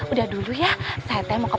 udah dulu ya